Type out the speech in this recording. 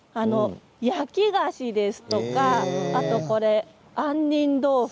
焼き菓子ですとか、あんにん豆腐